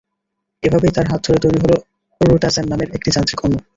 এভাবেই তাঁর হাত ধরে তৈরি হলো রোটাজেন নামের একটি যান্ত্রিক অণু।